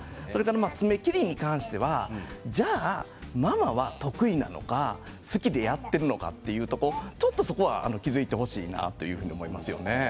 爪切りに関してはじゃあ、ママは得意なのか好きでやっているのかというとそこは気付いてほしいなと思いますよね。